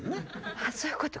あそういうことか。